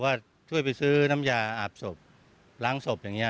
ว่าช่วยไปซื้อน้ำยาอาบศพล้างศพอย่างนี้